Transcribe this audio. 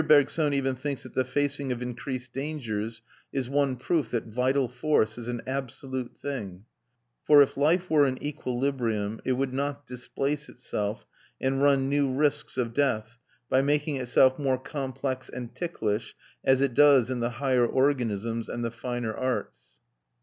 Bergson even thinks that the facing of increased dangers is one proof that vital force is an absolute thing; for if life were an equilibrium, it would not displace itself and run new risks of death, by making itself more complex and ticklish, as it does in the higher organisms and the finer arts.